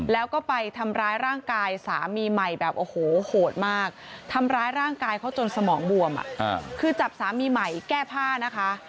แล้วก็ไปทำร้ายร่างกายสามีใหม่แบบโอ้โหโหดมากทำร้ายร่างกายเขาจนสมองบวมคือจับสามีใหม่แก้ผ้านะคะ